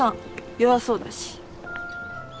弱そうだし。